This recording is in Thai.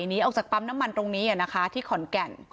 หนีออกจากปั๊มน้ำมันตรงนี้นะคะที่ขอนแก่น